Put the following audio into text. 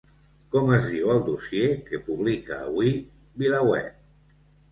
Com es diu el dossier que publica avui VilaWeb?